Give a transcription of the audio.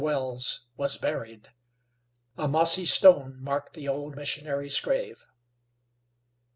Wells was buried. A mossy stone marked the old missionary's grave.